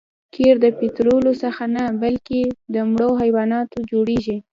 قیر د پطرولو څخه نه بلکې له مړو حیواناتو جوړیږي